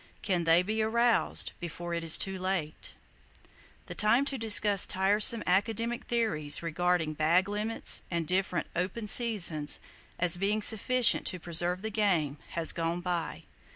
Can they be aroused, before it is too late? The time to discuss tiresome academic theories regarding "bag limits" and different "open seasons" as being sufficient to preserve the game, has gone by!